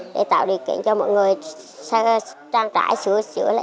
để tạo điều kiện cho mọi người trang trải sửa sửa